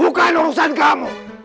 mukukan urusan kamu